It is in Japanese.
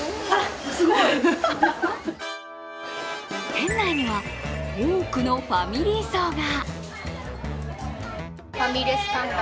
店内には、多くのファミリー層が。